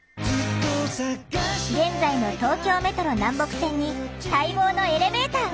現在の東京メトロ南北線に待望のエレベーターが設置。